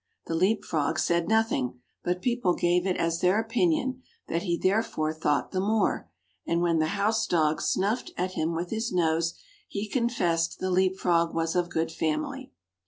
The Leap frog said nothing; but people gave it as their opinion, that he therefore thought the more; and when the housedog snuffed at him with his nose, he confessed the Leap frog was of good family.